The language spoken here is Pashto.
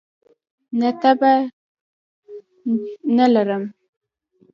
نه، تبه نه لرم